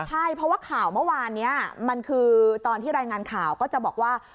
ใช่เพราะว่าข่าวเมื่อวานนี้มันคือตอนที่รายงานข่าวก็จะบอกว่า